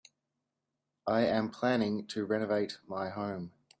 I am planning to renovate my home.